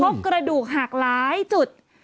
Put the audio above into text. กระดูกหักหลายจุด